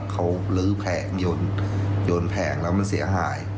เขาลื้อแผงโยนแผงแล้วมันเสียหาย